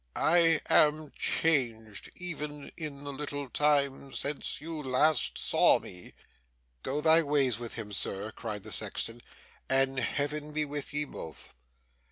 I am changed, even in the little time since you last saw me.' 'Go thy ways with him, Sir,' cried the sexton, 'and Heaven be with ye both!